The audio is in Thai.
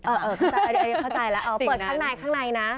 อันนี้เข้าใจแล้วเปิดข้างในข้างในนะ